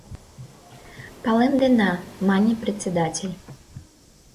— Палемдена, — мане председатель.